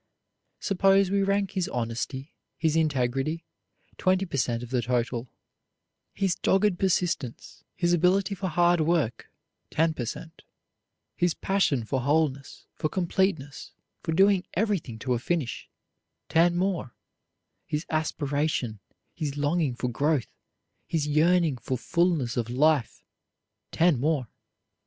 Suppose we rank his honesty, his integrity twenty per cent of the total, his dogged persistence, his ability for hard work ten per cent, his passion for wholeness, for completeness, for doing everything to a finish ten more, his aspiration, his longing for growth, his yearning for fulness of life ten more.